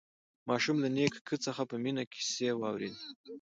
ماشوم له نیکه څخه په مینه کیسې واورېدې